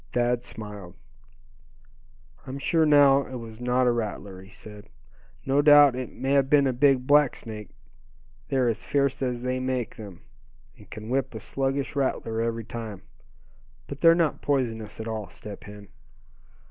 Thad smiled. "I'm sure now it was not a rattler," he said. "No doubt it may have been a big black snake. They're as fierce as they make them, and can whip a sluggish rattler every time, but they're not poisonous at all, Step Hen."